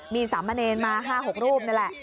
มีสามเมอร์เนนมา๕๖รูปนี่แหละ